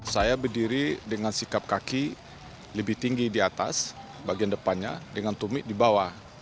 saya berdiri dengan sikap kaki lebih tinggi di atas bagian depannya dengan tumik di bawah